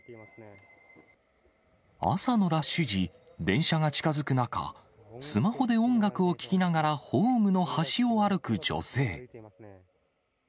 朝のラッシュ時、電車が近づく中、スマホで音楽を聴きながらホームの端を歩く女性。